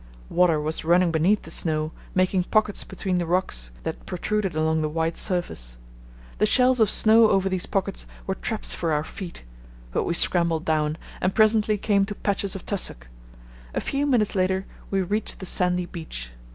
Water was running beneath the snow, making "pockets" between the rocks that protruded above the white surface. The shells of snow over these pockets were traps for our feet; but we scrambled down, and presently came to patches of tussock. A few minutes later we reached the sandy beach.